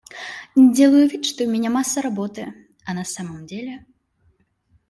Делаю вид, что у меня масса работы, а на самом деле.